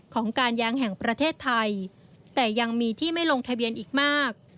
ของการแย้งแห่งประเทศไทยแต่ยังมีที่ไม่ลงทะเบียนอีกมาก